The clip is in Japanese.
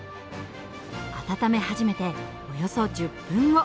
温め始めておよそ１０分後。